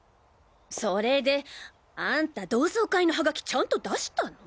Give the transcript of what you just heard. それであんた同窓会のハガキちゃんと出したの？